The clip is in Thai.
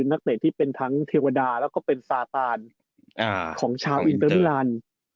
นักเตะที่เป็นทั้งเทวดาแล้วก็เป็นซาตานของชาวอินเตอร์มิลัน